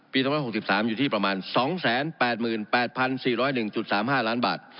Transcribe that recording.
๒๖๓อยู่ที่ประมาณ๒๘๘๔๐๑๓๕ล้านบาท